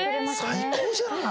最高じゃない。